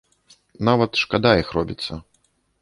Нават шкада іх робіцца.